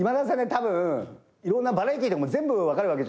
たぶんいろんなバラエティーとかも全部分かるわけじゃないですか。